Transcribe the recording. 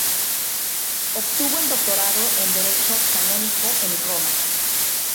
Obtuvo el doctorado en Derecho Canónico en Roma.